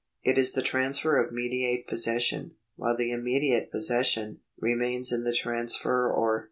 It is the transfer of mediate possession, while the immediate possession re mains in the transferor.